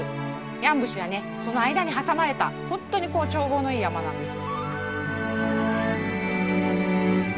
山伏はねその間に挟まれた本当に眺望のいい山なんです。